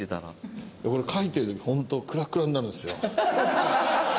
これ描いてる時ホントクラクラになるんですよ。